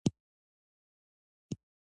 زه د جملو کیفیت ته ډېر حساس وم.